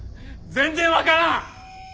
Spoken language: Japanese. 全然わからん！